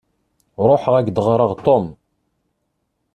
Ruḥeɣ ad k-d-aɣreɣ "Tom".